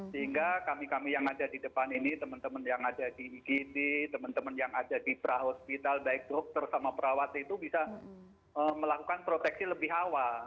sehingga kami kami yang ada di depan ini teman teman yang ada di igd teman teman yang ada di pra hospital baik dokter sama perawat itu bisa melakukan proteksi lebih awal